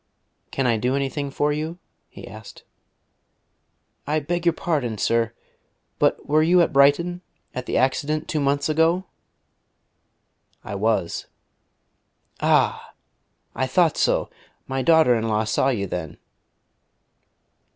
"Can I do anything for you?" he asked. "I beg your pardon, sir, but were you at Brighton, at the accident two months ago?" "I was." "Ah! I thought so: my daughter in law saw you then."